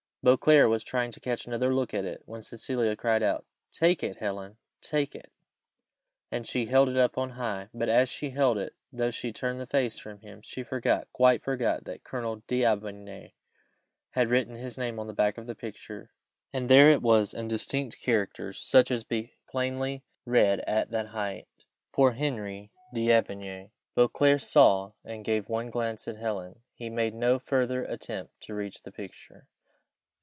Beauclerc was trying to catch another look at it, when Cecilia cried out, "Take it, Helen! take it!" and she held it up on high, but as she held it, though she turned the face from him, she forgot, quite forgot that Colonel D'Aubigny had written his name on the back of the picture; and there it was in distinct characters such as could be plainly read at that height, "For Henry D'Aubigny." Beauclerc saw, and gave one glance at Helen. He made no further attempt to reach the picture.